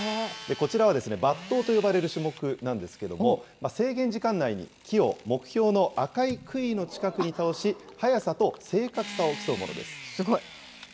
こちらは伐倒と呼ばれる種目なんですけれども、制限時間内に木を目標の赤いくいの近くに倒し、速さと正確さを競すごい。